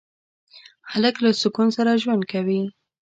هلک له سکون سره ژوند کوي.